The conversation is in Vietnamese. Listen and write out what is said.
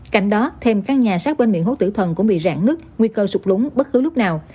cạnh đó thêm các nhà sát bên miệng hố tử thần cũng bị rạn nứt nguy cơ sụp lúng bất cứ lúc nào